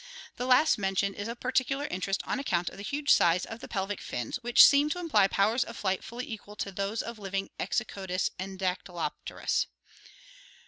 The last mentioned is of par ticular interest on account of the huge size of the pelvic fins, which seem to imply powers of flight fully equal to those of the living Exoccdus and Dadyloplenis.